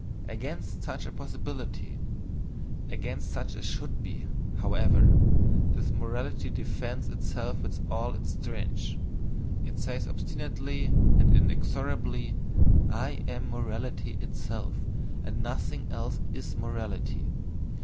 Against such a "possibility," against such a "should be," however, this morality defends itself with all its strength, it says obstinately and inexorably "I am morality itself and nothing else is morality!"